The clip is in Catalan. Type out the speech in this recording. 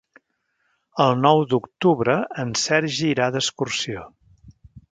El nou d'octubre en Sergi irà d'excursió.